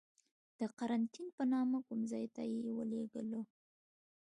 د قرنتین په نامه کوم ځای ته یې ولیږلو.